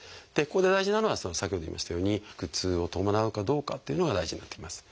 ここで大事なのは先ほど言いましたように腹痛を伴うかどうかっていうのが大事になってきます。